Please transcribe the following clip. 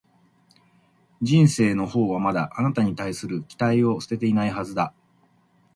人生のほうはまだ、あなたに対する期待を捨てていないはずだ